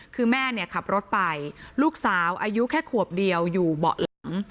คือแม่เนี่ยขับรถไปลูกสาวอายุแค่ขวบเดียวอยู่เบาะหลัง